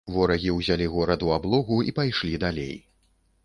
Ворагі ўзялі горад у аблогу і пайшлі далей.